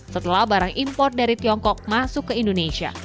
setelah barang impor dari tiongkok masuk ke indonesia